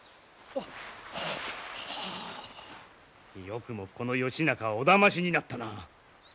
よくもこの義仲をおだましになったな！